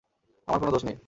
আমার কোনো দোষ নেই!